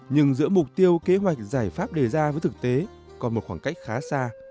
nhưng giữa mục tiêu kế hoạch giải pháp đề ra với thực tế còn một khoảng cách khá xa